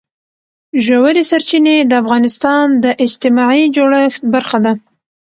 ژورې سرچینې د افغانستان د اجتماعي جوړښت برخه ده.